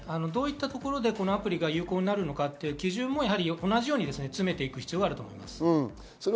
どういったところでこのアプリが有効になるのかという基準を同じように詰めていく必要があると思います。